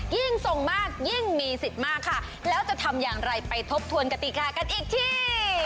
ยิ่งส่งมากยิ่งมีสิทธิ์มากค่ะแล้วจะทำอย่างไรไปทบทวนกติกากันอีกที